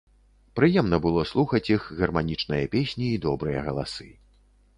Прыемна было слухаць іх гарманічныя песні і добрыя галасы.